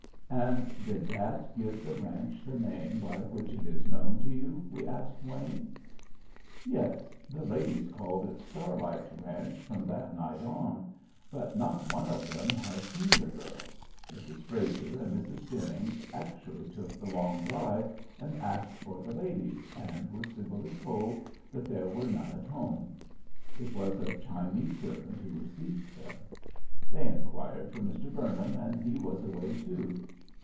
"And did that give the ranch the name by which it is known to you?" we asked Wayne. "Yes. The ladies called it 'Starlight Ranch' from that night on. But not one of them has seen the girl. Mrs. Frazer and Mrs. Jennings actually took the long drive and asked for the ladies, and were civilly told that there were none at home. It was a Chinese servant who received them. They inquired for Mr. Burnham and he was away too.